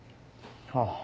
ああ。